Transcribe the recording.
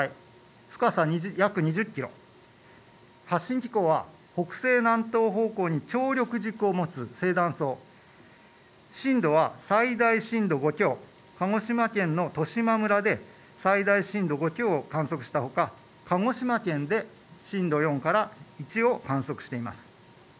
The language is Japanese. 深さ約２０キロはっしん規模は、北西南東方向にちょうりょく軸を持つ正断層震度は最大震度５強鹿児島県の十島村で最大震度５強を観測したほか鹿児島県で震度４から１を観測しています。